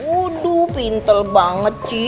aduh pintel banget ci